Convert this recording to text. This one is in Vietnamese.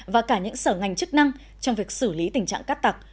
và cả những sở ngành chức năng trong việc xử lý tình trạng cát tặc